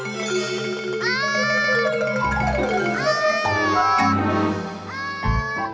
tidak di situ